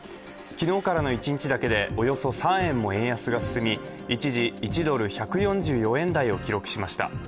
昨日からの１日だけでおよそ３円も円安が進み一時、１ドル＝１４４円台を記録しました。